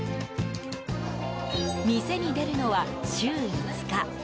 店に出るのは週５日。